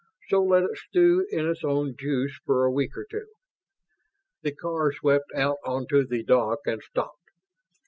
So let it stew in its own juice for a week or two." The car swept out onto the dock and stopped.